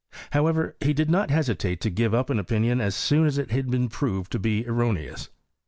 However, he did not hesitate to give up an opinion as soon as it had been proved ti> be erroneous.